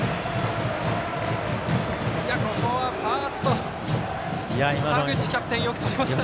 ここはファースト田口キャプテンがよくとりました。